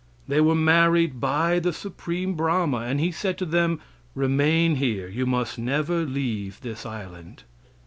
They were married by the Supreme Brahma, and he said to them: "Remain here; you must never leave this island."